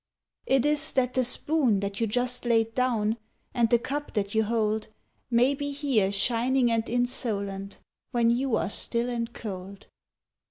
It is that the spoon that you just laid down And the cup that you hold May be here shining and insolent When you are still and cold.